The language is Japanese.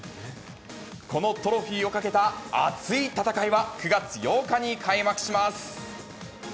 このトロフィーをかけた熱い戦いは、９月８日に開幕します。